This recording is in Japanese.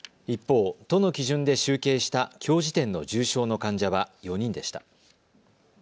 一方、都の基準で集計したきょう時点の重症の患者は４人でした。